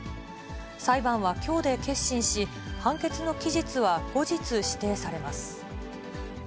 裁判はきょうで結審し、判決の期日は後日指定されます。